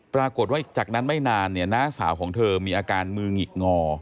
ปรากฏว่าจากนั้นไม่นานเนี่ยน้าสาวของเธอมีอาการมือหงิกงอ